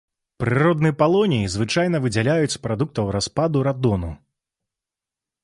Прыродны палоній звычайна выдзяляюць з прадуктаў распаду радону.